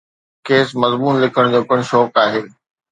کيس مضمون لکڻ جو پڻ شوق آهي.